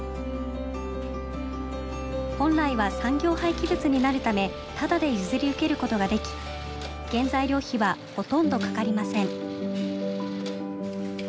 本来は産業廃棄物になるためただで譲り受けることができ原材料費はほとんどかかりません。